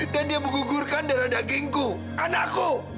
dan dia menggugurkan darah dagingku anakku